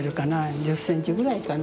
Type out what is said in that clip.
１０センチぐらいかな。